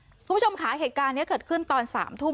คุณผู้ชมค่ะเหตุการณ์นี้เกิดขึ้นตอน๓ทุ่ม